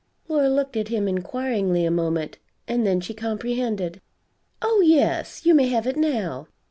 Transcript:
Laura looked at him inquiringly a moment, and then she comprehended. "Oh, yes! You may have it now.